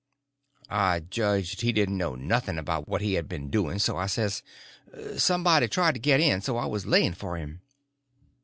I judged he didn't know nothing about what he had been doing, so I says: "Somebody tried to get in, so I was laying for him."